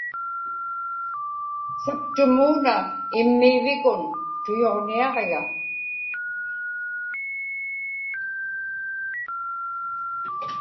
saptumuuna immiivikun tuyuġniaġiga